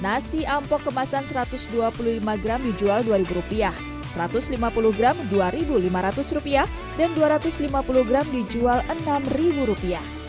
nasi ampok kemasan rp satu ratus dua puluh lima gram dijual rp dua satu ratus lima puluh gram rp dua lima ratus dan rp dua ratus lima puluh gram dijual rp enam